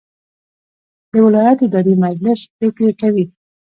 د ولایت اداري مجلس پریکړې کوي